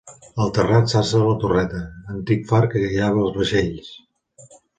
Al terrat s'alça la torreta, antic far que guiava els vaixells.